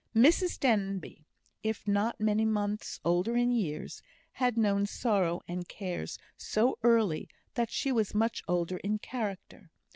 Mrs Denbigh, if not many months older in years, had known sorrow and cares so early that she was much older in character.